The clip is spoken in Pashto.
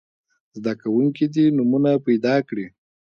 زده کوونکي دې نومونه پیداکړي.